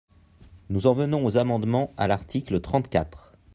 Nous en venons aux amendements à l’article trente-quatre.